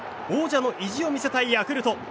王者の意地を見せたヤクルト。